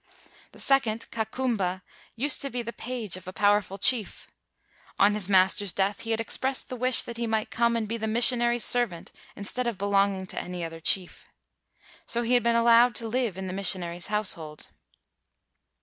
The second, Kakumba, used to be the page of a powerful chief. On his master's death he had expressed the wish that he might come and be the missionaries' servant in stead of belonging to any other chief. So he had been allowed to live in the mission aries ' household.